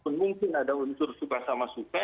mungkin ada unsur suka sama suka